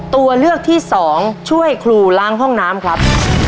ตัวเลือกที่สองช่วยครูล้างห้องน้ำครับ